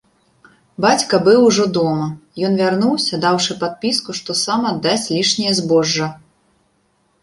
Бацька быў ужо дома, ён вярнуўся, даўшы падпіску, што сам аддасць лішняе збожжа.